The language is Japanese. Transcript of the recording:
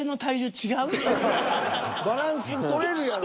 バランス取れるやろ。